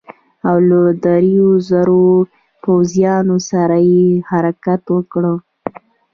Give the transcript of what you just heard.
او له دریو زرو پوځیانو سره یې حرکت وکړ.